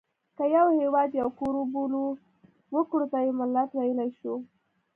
که یو هېواد یو کور وبولو وګړو ته یې ملت ویلای شو.